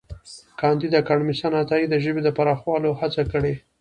کانديد اکاډميسن عطايي د ژبې د پراخولو هڅه کړې ده.